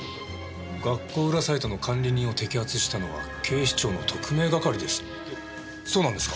「学校裏サイトの管理人を摘発したのは警視庁の特命係です」ってそうなんですか？